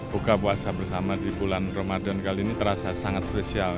buka puasa bersama di bulan ramadan kali ini terasa sangat spesial